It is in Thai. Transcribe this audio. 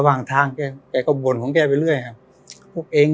ว่างทางแกแกก็บ่นของแกไปเรื่อยครับพวกเอง